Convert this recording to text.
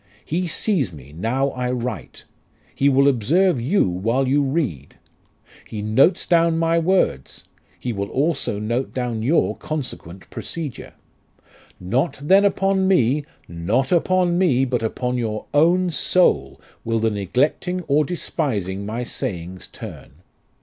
He sees me now I write. He will observe you while you read. He notes down my words ; He will also note down your consequent procedure. Not then upon me not upon me, but upon your own soul will the neglecting or despising my sayings turn.